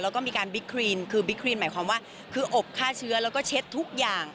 แล้วก็มีการบิ๊กครีนคือบิ๊กครีนหมายความว่าคืออบฆ่าเชื้อแล้วก็เช็ดทุกอย่าง